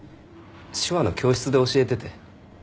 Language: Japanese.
手話の教室で教えてて。